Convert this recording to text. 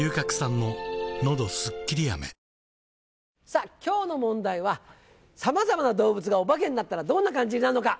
さぁ今日の問題は「さまざまな動物がお化けになったらどんな感じになるのか？」。